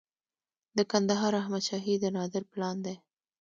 د کندهار احمد شاهي د نادر پلان دی